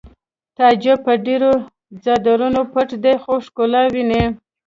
تعجب په ډېرو څادرونو پټ دی خو ښکلا ویني